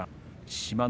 志摩ノ